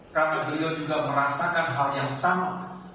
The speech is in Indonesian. karena beliau juga merasakan hal yang sama